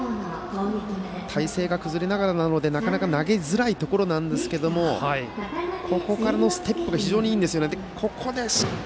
体勢が崩れながらなのでなかなか投げづらいところですがここからのステップが非常にいいんですよね。